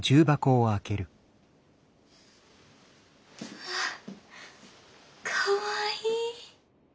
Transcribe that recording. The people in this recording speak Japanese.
うわかわいい！